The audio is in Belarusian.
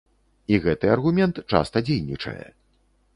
І гэты аргумент часта дзейнічае.